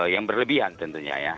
yang berlebihan tentunya ya